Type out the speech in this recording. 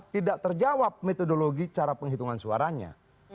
tidak terjawab metodologi cara penghitungan suaranya